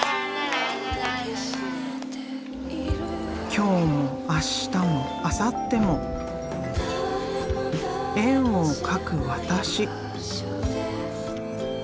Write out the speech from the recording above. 今日も明日もあさっても円を描く私。